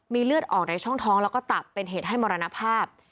เลือดออกในช่องท้องแล้วก็ตับเป็นเหตุให้มรณภาพ